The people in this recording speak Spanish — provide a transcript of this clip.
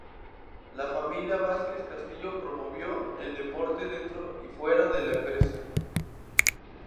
La familia Vásquez Castillo promovió el deporte dentro y fuera de la empresa.